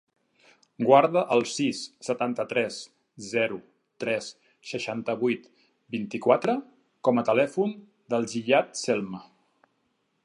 Guarda el sis, setanta-tres, zero, tres, seixanta-vuit, vint-i-quatre com a telèfon del Ziyad Selma.